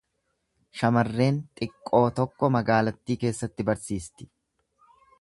Shamarreen xiqqoo tokko magaalattii keessatti barsiisti.